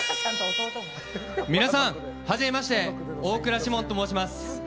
皆さん、はじめまして大倉士門と申します。